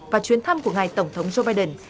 và chuyến thăm của ngài tổng thống joe biden